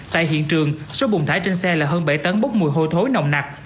tại hiện trường số bùng thải trên xe là hơn bảy tấn bốc mùi hôi thối nồng nặc